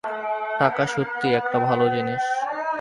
টাকা সত্যিই একটা ভালো জিনিস।